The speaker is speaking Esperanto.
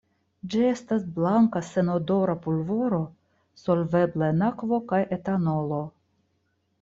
Ĝi estas blanka senodora pulvoro solvebla en akvo kaj etanolo.